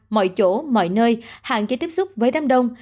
mọi chỗ mọi nơi hạn chế tiếp xúc với đám đông